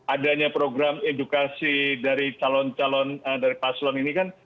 adanya program edukasi dari calon calon dari paslon ini kan